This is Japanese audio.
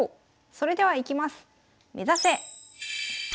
それではいきます。